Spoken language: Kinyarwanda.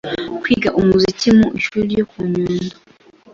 kwiga umuziki mu ishuri ryo ku Nyundo